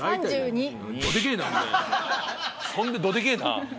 そんでどでけえな！